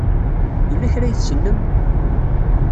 Yella kra ay tsellem?